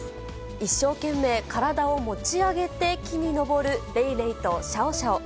一生懸命体を持ち上げて木に登るレイレイとシャオシャオ。